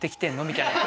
みたいな。